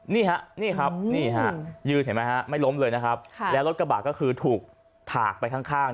นี่ฮะนี่ครับนี่ฮะยืนเห็นไหมฮะไม่ล้มเลยนะครับแล้วรถกระบะก็คือถูกถากไปข้าง